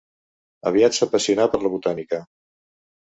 Aviat s'apassionà per la botànica.